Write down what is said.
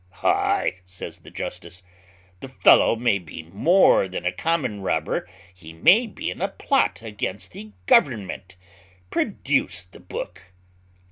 "Ay," says the justice, "the fellow may be more than a common robber, he may be in a plot against the Government. Produce the book."